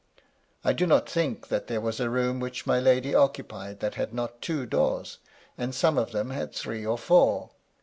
I do not think that there was a room which my lady occupied that had not two doors, and some of them had three or four.